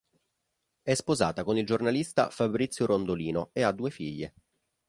È sposata con il giornalista Fabrizio Rondolino e ha due figlie.